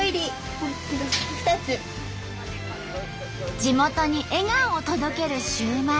地元に笑顔を届けるシューマイ。